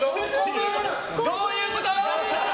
どういうこと！